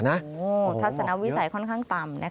ทัศนวิสัยค่อนข้างต่ำ